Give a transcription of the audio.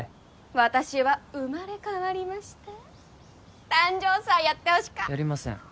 私は生まれ変わりました誕生祭やってほしかやりません